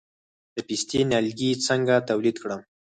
د پستې نیالګي څنګه تولید کړم؟